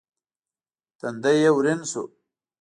تندی يې ورين شو.